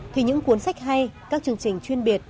thì những cuốn sách hay các chương trình chuyên biệt